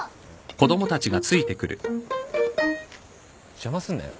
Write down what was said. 邪魔すんなよ。